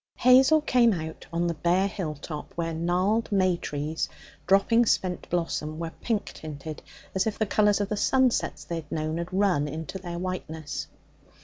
Hazel came out on the bare hill top where gnarled may trees, dropping spent blossom, were pink tinted as if the colours of the sunsets they had known had run into their whiteness.